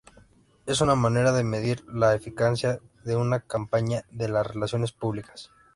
Es una manera de medir la eficacia de una campaña de relaciones públicas.